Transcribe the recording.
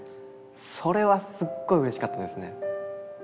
それはすっごいうれしかったですね。